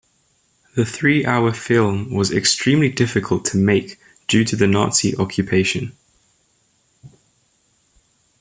The three-hour film was extremely difficult to make due to the Nazi occupation.